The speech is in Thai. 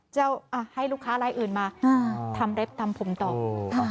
เจ้าอ่ะให้ลูกค้าอะไรอื่นมาอ่าทำเร็บทำผมต่ออ่า